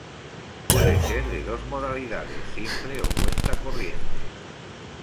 Puede ser de dos modalidades; simple o cuenta corriente.